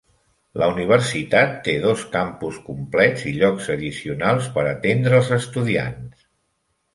La universitat té dos campus complets i llocs addicionals per atendre els estudiants.